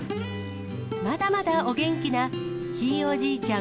まだまだお元気なひいおじいちゃん